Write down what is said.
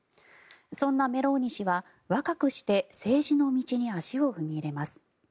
そんなメローニ氏は、若くして政治の道に足を踏み入れます。